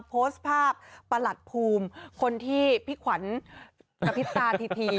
โพสต์ภาพประหลัดภูมิคนที่พี่ขวัญกระพริบตาที